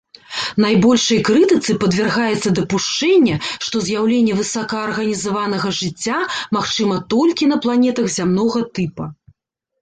Найбольшай крытыцы падвяргаецца дапушчэнне, што з'яўленне высокаарганізаванага жыцця магчыма толькі на планетах зямнога тыпа.